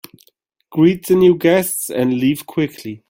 Greet the new guests and leave quickly.